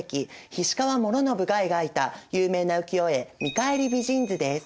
菱川師宣が描いた有名な浮世絵「見返り美人図」です。